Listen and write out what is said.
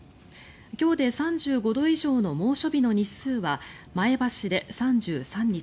今日で３５度以上の猛暑日の日数は前橋で３３日